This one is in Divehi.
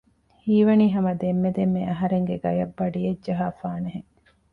ހީވަނީ ހަމަ ދެންމެ ދެންމެ އަހަރެންގެ ގަޔަށް ބަޑިއެއް ޖަހާފާނެހެން